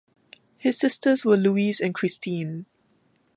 His sisters were Luise and Christine.